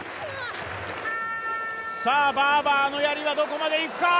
さあバーバーのやりはどこまでいくか？